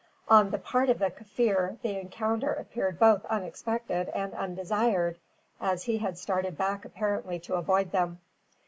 On the part of the Kaffir, the encounter appeared both unexpected and undesired, as he had started back apparently to avoid them.